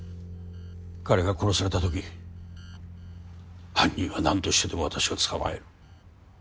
彼が殺されたとき犯人は何としてでも私が捕まえる。